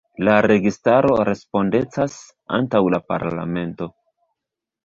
La registaro respondecas antaŭ la parlamento.